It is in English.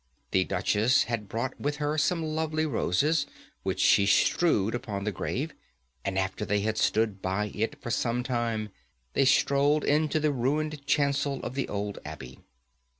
The Duchess had brought with her some lovely roses, which she strewed upon the grave, and after they had stood by it for some time they strolled into the ruined chancel of the old abbey.